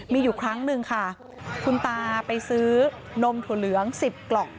มีอยู่ครั้งหนึ่งค่ะคุณตาไปซื้อนมถั่วเหลือง๑๐กล่อง